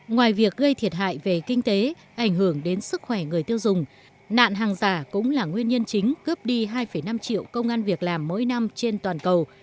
ngoài việc gây thiệt hại về kinh tế ảnh hưởng đến sức khỏe người tiêu dùng nạn hàng giả cũng là nguyên nhân chính cướp đi hai năm triệu công an việc làm mỗi năm trên toàn cầu